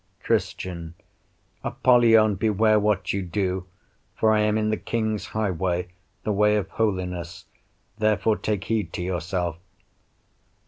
Christian Apollyon, beware what you do, for I am in the King's highway, the way of holiness, therefore take heed to yourself.